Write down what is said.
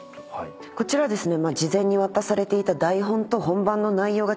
こちらですね。